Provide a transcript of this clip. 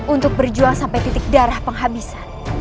untuk berjuang sampai titik darah penghabisan